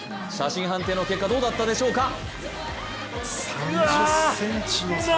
写真判定の結果どうだったでしょうか。